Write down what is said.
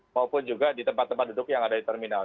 maupun juga di tempat tempat duduk yang ada di terminal